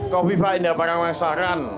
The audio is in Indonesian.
kofifa indah parawang saran